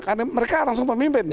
karena mereka langsung pemimpin